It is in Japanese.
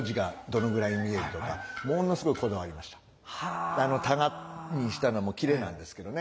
あの箍にしたのも布なんですけどね。